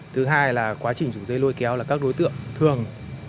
thứ hai là quá trình chủ dây lôi kéo là các đối tượng thường